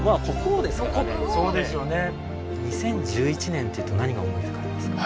２０１１年っていうと何が思い浮かびますか？